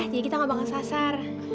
jadi kita gak bakal sasar